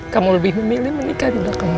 kamu lebih memilih menikah di belakang mama